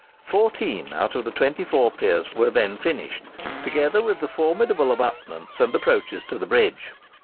Fourteen out of the twenty four piers were then finished, together with the formidable abutments and approaches to the bridge.